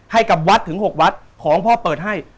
ให้กับวัดถึง๖วัดของพ่อเปิดให้